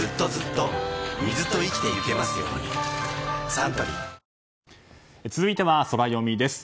サントリー続いてはソラよみです。